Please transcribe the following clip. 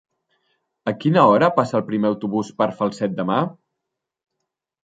A quina hora passa el primer autobús per Falset demà?